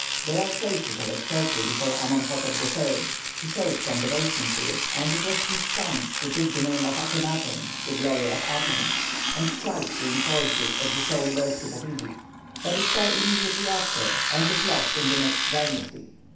There are traces of it shortly before Amonhotep in. He showed some devotion to it, and it was his son who took the name of Akhenaten, 'the glory of the Aten,' and tried to enforce this as the sole worship of Egypt. But it fell immediately after, and is lost in the next dynasty.